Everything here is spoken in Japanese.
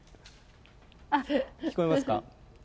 聞こえますか？